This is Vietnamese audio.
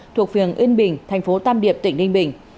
thuộc phường yên bình thành phố tam điệp tỉnh ninh bình